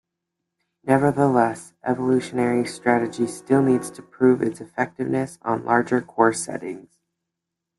Nevertheless, evolutionary strategy still needs to prove its effectiveness on larger core settings.